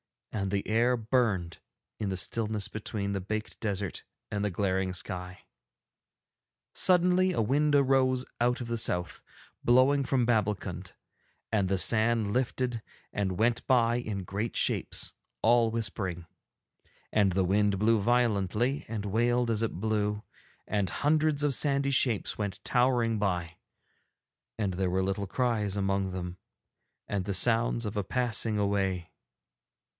And the air burned in the stillness between the baked desert and the glaring sky. Suddenly a wind arose out of the South, blowing from Babbulkund, and the sand lifted and went by in great shapes, all whispering. And the wind blew violently, and wailed as it blew, and hundreds of sandy shapes went towering by, and there were little cries among them and the sounds of a passing away.